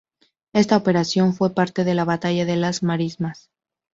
Esta operación fue parte de la Batalla de las Marismas.